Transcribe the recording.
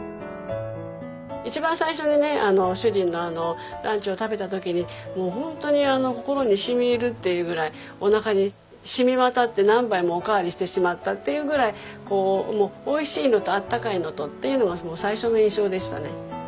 一番最初にね主人のランチを食べた時にもう本当に心に染み入るっていうぐらいおなかに染み渡って何杯もお代わりしてしまったっていうぐらいおいしいのとあったかいのとっていうのが最初の印象でしたね。